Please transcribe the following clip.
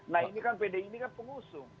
nah ini kan pdi ini kan pengusung